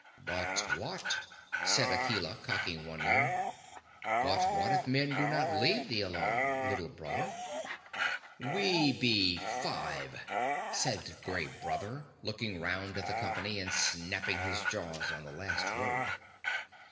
"But what," said Akela, cocking one ear "but what if men do not leave thee alone, Little Brother?" "We be five," said Gray Brother, looking round at the company, and snapping his jaws on the last word.